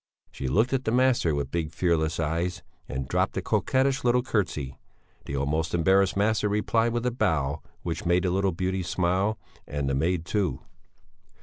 She looked at the master with big fearless eyes, and dropped a coquettish little curtsey; the almost embarrassed master replied with a bow which made the little beauty smile and the maid, too.